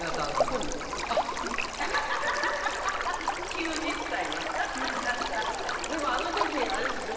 ９０歳が９０歳がでもあの時あれですね